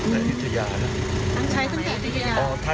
แต่โยโธยาก็ใช้ตั้งแต่โยโธยา